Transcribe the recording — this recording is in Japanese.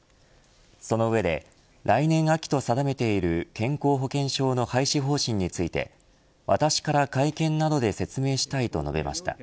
その上で、来年秋と定めている健康保険証の廃止方針について私から会見などで説明したいと述べました。